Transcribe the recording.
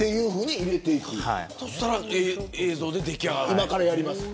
そうすると映像で出来上がる。